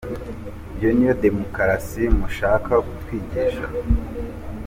Iyo ni yo demukarasi mushaka kutwigisha ?”